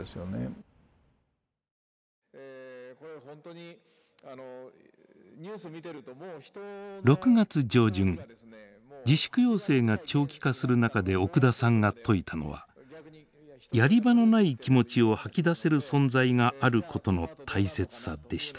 ６月上旬自粛要請が長期化する中で奥田さんが説いたのはやり場のない気持ちを吐き出せる存在があることの大切さでした。